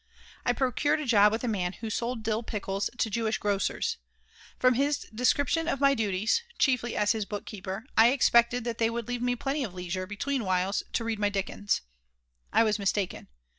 I procured a job with a man who sold dill pickles to Jewish grocers. From his description of my duties chiefly as his bookkeeper I expected that they would leave me plenty of leisure, between whiles, to read my Dickens. I was mistaken.